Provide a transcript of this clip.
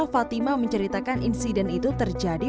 fatima menceritakan insiden itu terjadi